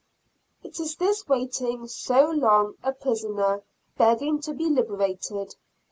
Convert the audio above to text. It is this waiting so long a prisoner, begging to be liberated.